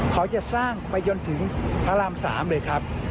เขาจะสร้างไปจนถึงพระราม๓เลยครับ